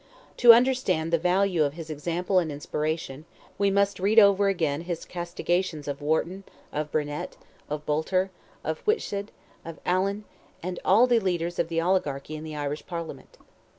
To understand the value of his example and inspiration, we must read over again his castigations of Wharton, of Burnet, of Boulter, of Whitshed, of Allan, and all the leaders of the oligarchy, in the Irish Parliament.